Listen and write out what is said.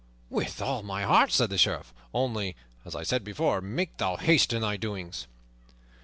"With all my heart," said the Sheriff, "only, as I said before, make thou haste in thy doings."